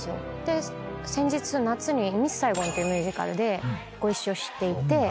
先日夏に『ミス・サイゴン』というミュージカルでご一緒していて。